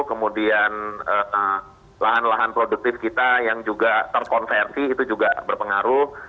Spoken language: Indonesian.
kemudian lahan lahan produktif kita yang juga terkonversi itu juga berpengaruh